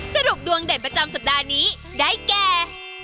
สรุปดวงเด่นประจำสัปดาห์นี้ได้แก่